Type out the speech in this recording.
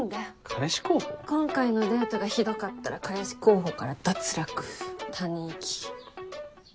今回のデートがひどかったら彼氏候補から脱落他人行き。